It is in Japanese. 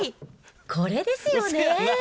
これですよね？